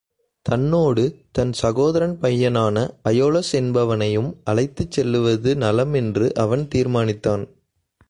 தன்னோடு தன் சகோதரன் பையனான அயோலஸ் என்பவனையும் அழைத்துச் செல்லுவது நலமென்று அவன் தீர்மானித்தான்.